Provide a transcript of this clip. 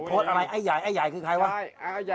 พูดเหมือนเดิมคือพูดอะไร